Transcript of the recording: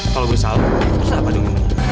kalo gue salah terus apa dong